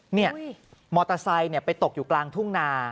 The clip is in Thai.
มอเตอร์ไซค์ไปตกอยู่กลางทุ่งนา